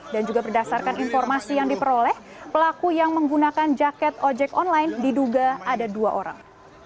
dan juga berdasarkan informasi yang diperoleh pelaku yang menggunakan jaket ojek online diduga ada dua orang